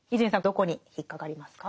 どこに引っ掛かりますか？